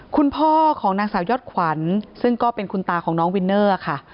คุณพ่อของนางสาวยอดขวัญซึ่งก็เป็นคุณตาของน้องวินเนอร์ค่ะ